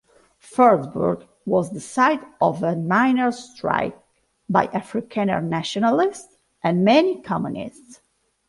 Fordsburg was the site of a miners strike by Afrikaner nationalists and many Communists.